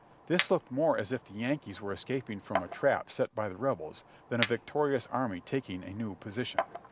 This looked more as if the Yankees were es caping from a trap set by the Rebels than a victorious army taking a new position.